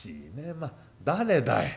まあ誰だい？